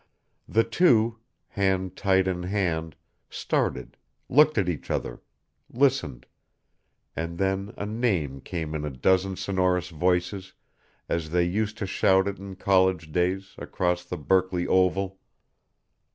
The two, hand tight in hand, started, looked at each other, listened and then a name came in a dozen sonorous voices, as they used to shout it in college days, across the Berkeley Oval.